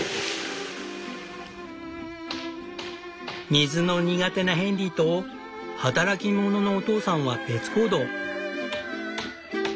水の苦手なヘンリーと働き者のお父さんは別行動。